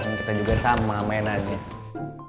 kan kita juga sama mainan ini